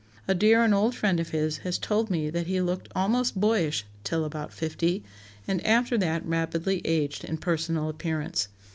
A dear and old friend of his has told me that he 'looked almost boyish till about fifty, and after that rapidly aged in personal appearance.